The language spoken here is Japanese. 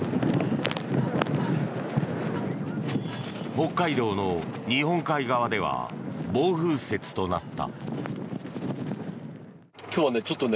北海道の日本海側では暴風雪となった。